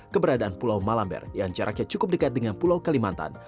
keberadaan pulau malamber yang jaraknya cukup dekat dengan pulau kalimantan